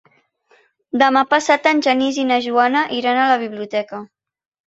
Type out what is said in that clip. Demà passat en Genís i na Joana iran a la biblioteca.